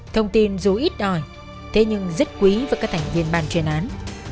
thông tin dù ít ỏi thế nhưng rất quý với các thành viên ban chuyên án